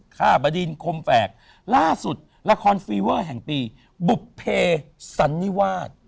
ฆ่าบดินคมแฝกล่าสุดละครฟีเวอร์แห่งปีบุภเพสันนิวาส